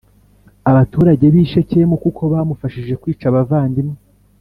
abaturage b i Shekemu kuko bamufashije kwica abavandimwe